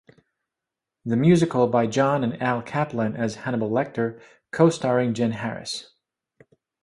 The Musical by Jon and Al Kaplan as Hannibal Lecter, co-starring Jenn Harris.